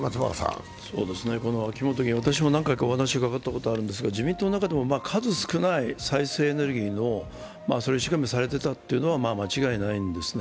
秋本議員、私も何回かお話伺ったことあるんですが自民党の中でも数少ない再生エネルギーを一生懸命されていたのは間違いないんですね。